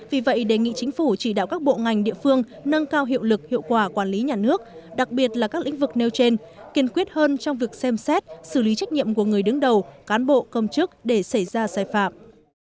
vì vậy đề nghị chính phủ chỉ đạo các bộ ngành địa phương nâng cao hiệu lực hiệu quả quản lý nhà nước đặc biệt là các lĩnh vực nêu trên kiên quyết hơn trong việc xem xét xử lý trách nhiệm của người đứng đầu cán bộ công chức để xảy ra sai phạm